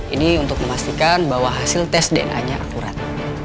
ini untuk memastikan bahwa hasil tes dna nya akurat